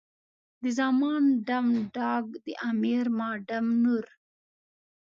د زمان ډم، ډاګ، د امیر ما ډم نور.